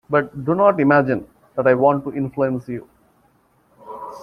But do not imagine that I want to influence you.